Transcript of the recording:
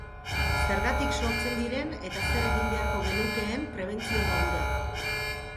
Zergatik sortzen diren eta zer egin beharko genukeen prebentzio modura.